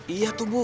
iya tuh bu